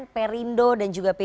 perindo dan juga p tiga